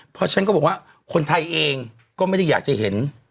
เพราะฉันก็บอกว่าคนไทยเองก็ไม่ได้อยากจะเห็น